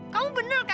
kamu bener kan